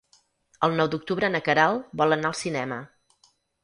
El nou d'octubre na Queralt vol anar al cinema.